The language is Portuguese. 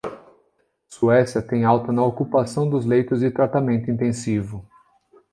Suécia tem alta na ocupação dos leitos de tratamento intensivo